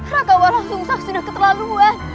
rakawa langsung saja sudah keterlaluan